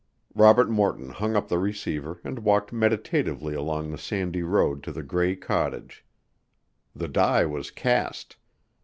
Robert Morton hung up the receiver and walked meditatively along the sandy road to the gray cottage. The die was cast.